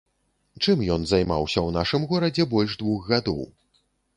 Чым ён займаўся ў нашым горадзе больш двух гадоў?